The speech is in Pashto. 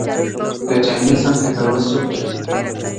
د جامع څنګ ته په يو صوف کي